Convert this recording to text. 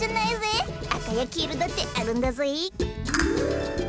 赤や黄色だってあるんだぜ。